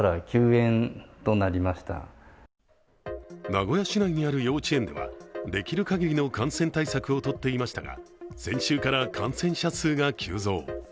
名古屋市内にある幼稚園ではできる限りの感染対策をとっていましたが先週から感染者数が急増。